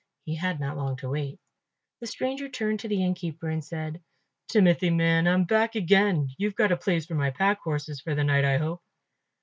He had not long to wait. The stranger turned to the innkeeper and said, "Timothy, man, I'm back again; you've got a place for my pack horses for the night, I hope."